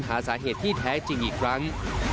หาสาเหตุที่แท้จริงอีกครั้ง